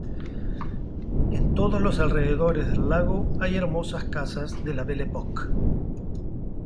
En todos los alrededores del lago hay hermosas casas de la "Belle Époque".